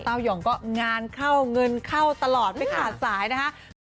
ยองก็งานเข้าเงินเข้าตลอดไม่ขาดสายนะคะ